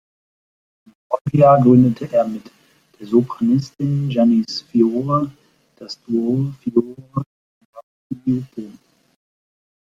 Im Folgejahr gründete er mit der Sopranistin Janice Fiore das "Duo Fiore-Vacioppo".